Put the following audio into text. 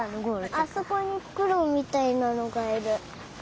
あそこにふくろうみたいなのがいる。